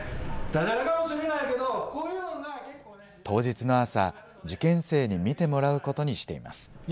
当日の朝、受験生に見てもらうことにしています。